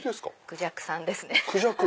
クジャクさんですね。